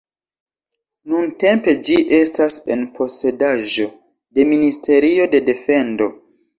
Nuntempe ĝi estas en posedaĵo de Ministerio de defendo.